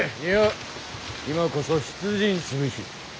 いや今こそ出陣すべし。